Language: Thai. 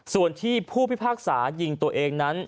ส่วนที่ผู้พิพากษายิงตัวเองนั้น